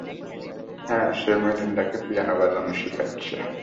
হ্যাঁ, সে মেলিন্ডাকে পিয়ানো বাজানো শেখাচ্ছে।